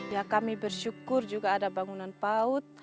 ya kami bersyukur juga ada bangunan paut